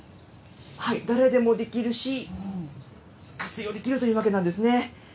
誰でもできるし、活用できるというわけなんですね。